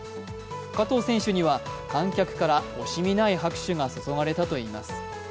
加藤選手には観客から惜しみない拍手が注がれたといいます。